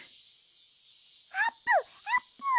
あーぷんあーぷん！